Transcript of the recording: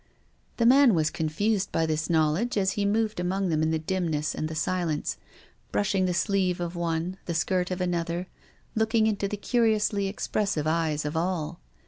The man was confused by this knowledge, as he moved among them in the dimness and the silence, brushing the sleeve of one, the skirt of another, looking into the curiously expressive eyes of all.